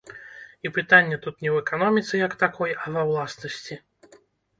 І пытанне тут не ў эканоміцы як такой, а ва ўласнасці.